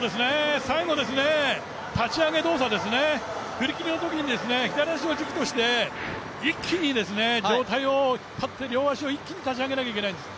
最後、立ち上げ動作ですね、振り切りのときに左足を軸にして一気に上体を、両足を一気に立ち上げなきゃいけないんです。